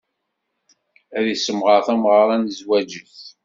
Ad issemɣer tameɣra n zzwaǧ-is.